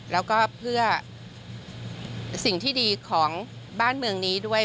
แล้วก็เพื่อสิ่งที่ดีของบ้านเมืองนี้ด้วย